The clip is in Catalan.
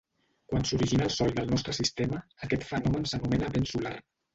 Quan s'origina al Sol del nostre sistema, aquest fenomen s'anomena vent solar.